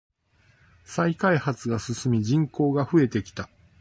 再開発が進み人口が増えてきた。